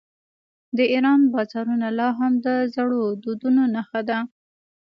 د ایران بازارونه لا هم د زړو دودونو نښه ده.